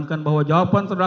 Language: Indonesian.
kita harus membuatnya